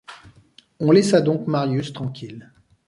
On laissa donc Marius tranquille.